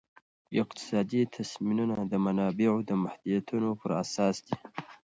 اقتصادي تصمیمونه د منابعو د محدودیتونو پر اساس دي.